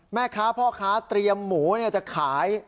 แม่ค้าพ่อค้าเตรียมหมูจะขาย